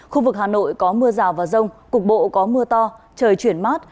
khu vực hà nội có mưa rào và rông cục bộ có mưa to trời chuyển mát